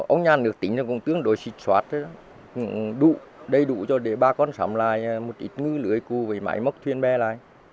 ông nhà nước tính cũng tương đối xịt soát đầy đủ cho để bà con sống lại một ít ngư lưỡi cũ với máy mất thuyền bê lại